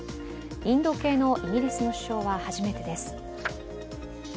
インド系のイギリスの首相は初めてです。